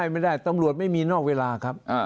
ไม่ได้ตำรวจไม่มีนอกเวลาครับ